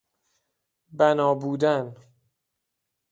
بنا بودن